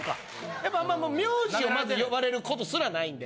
やっぱ名字をまず呼ばれることすらないんで。